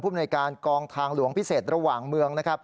ผู้บริการกองทางหลวงพิเศษระหว่างเมือง